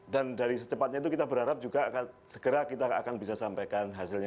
dan dari secepatnya itu kita berharap juga segera kita akan bisa sampaikan hasilnya